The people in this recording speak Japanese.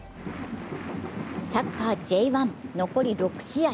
サッカーＪ１、残り６試合。